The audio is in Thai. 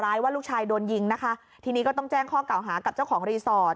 ว่าลูกชายโดนยิงนะคะทีนี้ก็ต้องแจ้งข้อเก่าหากับเจ้าของรีสอร์ท